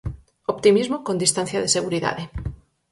Optimismo con distancia de seguridade.